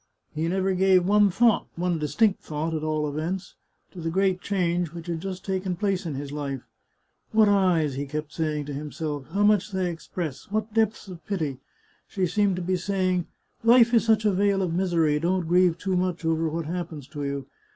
He never gave one thought — one distinct thought, at all events — to the great change which had just taken place in his life. " What eyes !" he kept saying to himself. " How much they express ! what depths of pity ! She seemed to be saying :* Life is such a vale of misery ; don't grieve too much over what happens to you.